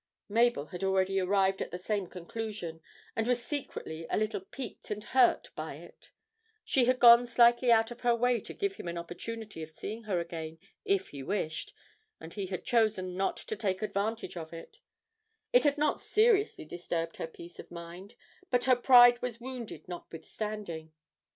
Mabel had already arrived at the same conclusion, and was secretly a little piqued and hurt by it; she had gone slightly out of her way to give him an opportunity of seeing her again if he wished, and he had not chosen to take advantage of it; it had not seriously disturbed her peace of mind, but her pride was wounded notwithstanding.